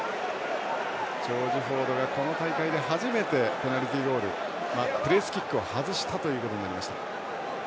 ジョージ・フォードがこの大会で初めてペナルティーゴールプレースキックを外したということになりました。